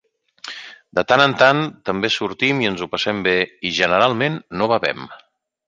De tant en tant, també sortim i ens ho passem bé i generalment no bevem.